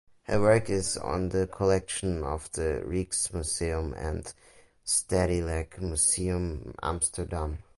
Her work is in the collection of the Rijksmuseum and the Stedelijk Museum Amsterdam.